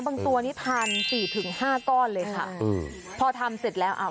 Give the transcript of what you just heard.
ตัวนี้ทานสี่ถึงห้าก้อนเลยค่ะอืมพอทำเสร็จแล้วอ่า